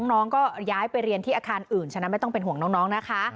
น้องก็ย้ายไปเรียนที่อาคารอื่นฉะนั้นไม่ต้องเป็นห่วงน้องนะคะ